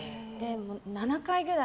７回くらい。